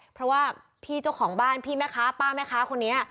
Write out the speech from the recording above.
เพราะว่าพี่เจ้าของบ้านพี่แม่ค้าป้าแม่ค้าคนนี้